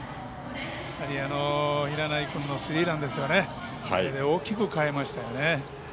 やはり、平内君のスリーラン流れを大きく変えましたよね。